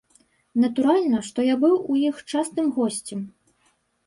Натуральна, што я быў у іх частым госцем.